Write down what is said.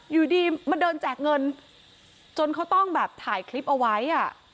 อยู่ดีมาเดินแจกเงินจนเขาต้องแบบถ่ายคลิปเอาไว้อ่ะ